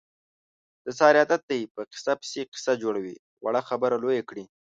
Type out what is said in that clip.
د سارې عادت دی، په قیصه پسې قیصه جوړوي. وړه خبره لویه کړي.